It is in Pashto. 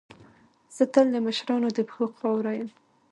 زه تل د مشرانو د پښو خاوره یم.